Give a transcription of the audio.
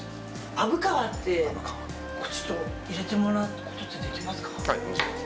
虻川って入れてもらうことってできますか。